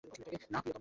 না, প্রিয়তম।